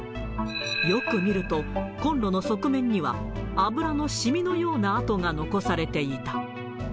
よく見ると、コンロの側面には、油の染みのような跡が残されていた。